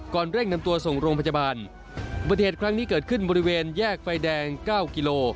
เร่งนำตัวส่งโรงพยาบาลอุบัติเหตุครั้งนี้เกิดขึ้นบริเวณแยกไฟแดงเก้ากิโล